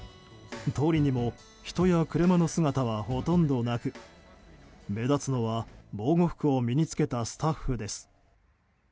通りにも人や車の姿はほとんどなく目立つのは、防護服を身に着けたスタッフです。